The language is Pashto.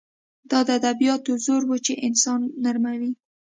دا د ادبیاتو زور و چې انسان نرموي